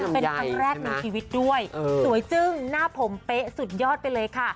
เป็นครั้งแรกในชีวิตด้วยสวยจึ้งหน้าผมเป๊ะสุดยอดไปเลยค่ะ